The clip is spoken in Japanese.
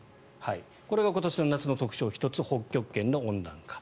これが今年の夏の特徴１つ、北極圏の温暖化。